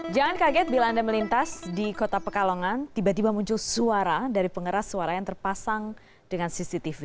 jangan kaget bila anda melintas di kota pekalongan tiba tiba muncul suara dari pengeras suara yang terpasang dengan cctv